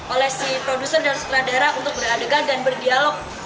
oleh si produser dan sutradara untuk beradegan dan berdialog